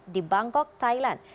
di bangkok thailand